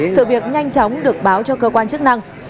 sự việc nhanh chóng được báo cho cơ quan chức năng